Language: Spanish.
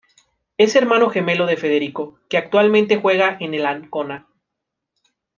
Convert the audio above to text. Es hermano gemelo de Federico, que actualmente juega en el Ancona.